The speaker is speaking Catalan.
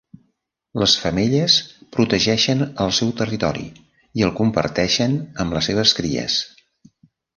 Les femelles protegeixen el seu territori i el comparteixen amb les seves cries.